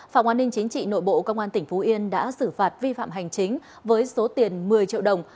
phòng an ninh chính trị nội bộ công an tỉnh phú yên đã xử phạt vi phạm hành chính với số tiền một mươi triệu đồng